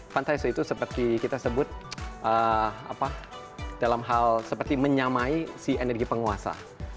fan tai sui itu seperti kita sebut dalam hal seperti menyamai si energi penguasa